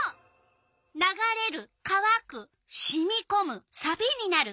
「ながれる」「かわく」「しみこむ」「さびになる」。